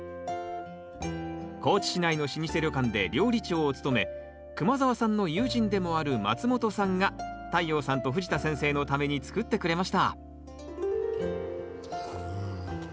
高地市内の老舗旅館で料理長を務め熊澤さんの友人でもある松本さんが太陽さんと藤田先生のために作ってくれましたうん！